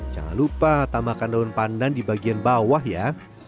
jangan lupa tambahkan daun pandan di bagian bawah ya